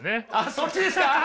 そっちですか。